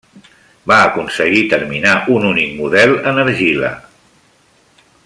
Va aconseguir terminar un únic model en argila.